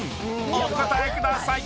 お答えください］